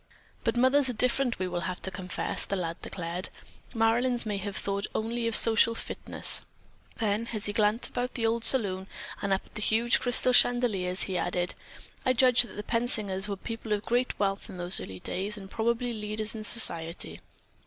"But mothers are different, we will have to confess," the lad declared. "Marilyn's may have thought only of social fitness." Then, as he glanced about the old salon and up at the huge crystal chandeliers, he added: "I judge that the Pensingers were people of great wealth in those early days and probably leaders in society."